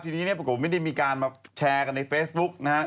ทีนี้ปกป้องไม่ได้มีการมาแชร์กันในเฟซบุ๊กนะครับ